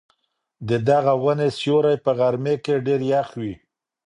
د دغې وني سیوری په غرمې کي ډېر یخ وي.